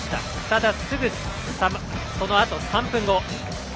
ただ、すぐそのあと３分後。